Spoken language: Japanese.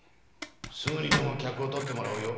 すぐにでも客を取ってもらうよ。